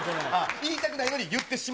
言いたくないのに言ってしま